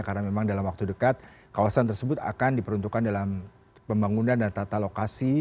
karena memang dalam waktu dekat kawasan tersebut akan diperuntukkan dalam pembangunan dan tata lokasi